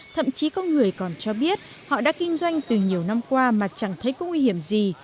thậm chí có người còn cho biết họ đã kinh doanh từ nhiều năm qua mà chẳng thấy có nguy hiểm gì